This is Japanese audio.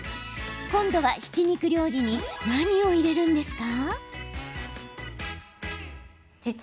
今度は、ひき肉料理に何を入れるんですか？